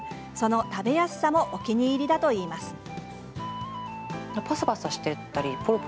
その食べやすさもお気に入りだといいます。